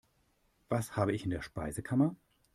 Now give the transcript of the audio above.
Was habe ich in der Speisekammer?